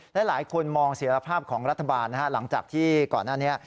และหลายคนมองเสียรภาพของรัฐบาลหลังจากที่ก่อนหน้านี้